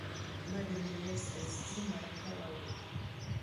ما د میرویس عزیزي مرکه واورېده.